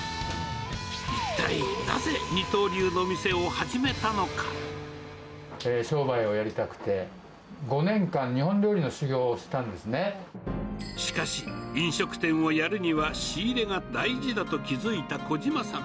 一体、なぜ二刀流の店を始めたの商売をやりたくて、５年間、しかし、飲食店をやるには仕入れが大事だと気付いた小島さん。